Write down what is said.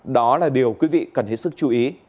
đó là điều quý vị cần hết sức chú ý